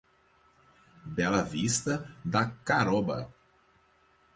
Bela Vista da Caroba